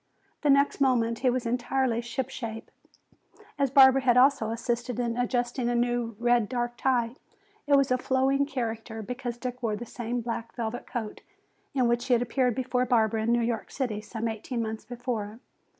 The next moment he was entirely ship shape, as Barbara had also assisted in adjusting a new dark red tie. It was of a flowing character, because Dick wore the same black velvet coat in which he had appeared before Barbara in New York City some eighteen months before.